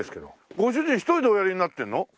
ご主人一人でおやりになってるの？